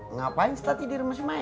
ngapain si tati di rumah si mai